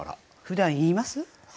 ふだん言います？